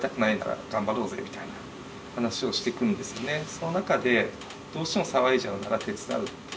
その中でどうしても騒いじゃうなら手伝うっていう。